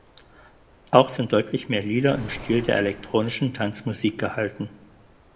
Auch sind deutlich mehr Lieder im Stil der Elektronischen Tanzmusik gehalten.